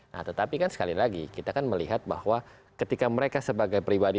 nah tetapi kan sekali lagi kita kan melihat bahwa ketika mereka sebagai pribadi